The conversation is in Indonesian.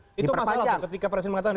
itu masalah tuh ketika presiden mengatakan